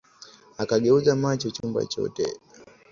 Akageuza macho chumba chote